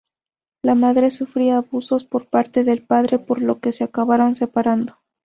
La madre sufría abusos por parte del padre, por lo que se acabaron separando.